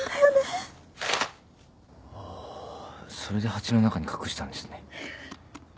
それで鉢の中に隠したんですね。